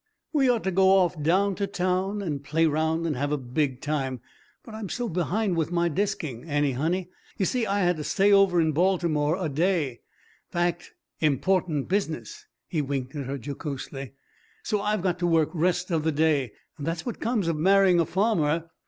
"We ought to go off down to town and play round and have a big time, but I'm so behind with my disking, Annie, honey. You see I had to stay over a day in Baltimore. Fact. Important business." He winked at her jocosely. "So I've got to work rest of the day. That's what comes of marrying a farmer.